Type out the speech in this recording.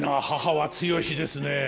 母は強しですね。